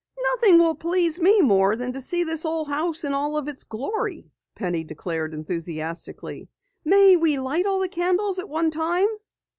"Nothing will please me more than to see this old house in all its glory!" Penny declared enthusiastically. "May we light all the candles at one time?"